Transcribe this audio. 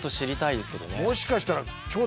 もしかしたら。